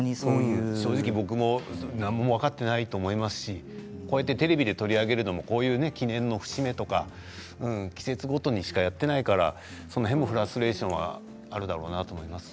僕も正直分かっていないと思いますし、テレビで取り上げられるのも記念の節目とか季節ごとにしかやっていないからその辺りのフラストレーションがあるだろうなと思います。